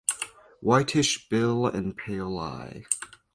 Whitish bill and pale eye.